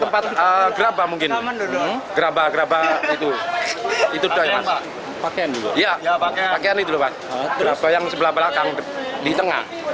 pakaian ini dulu pak yang sebelah belakang di tengah